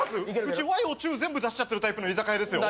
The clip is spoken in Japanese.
うち和洋中全部出しちゃってるタイプの居酒屋ですよ。